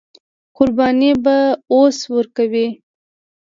قرباني به اوس ورکوي.